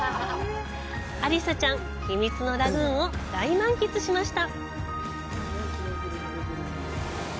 アリサちゃん、秘密のラグーンを大満喫しました！